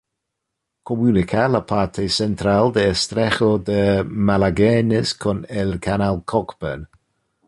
Comunica la parte central del estrecho de Magallanes con el canal Cockburn.